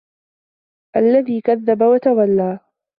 الَّذي كَذَّبَ وَتَوَلّى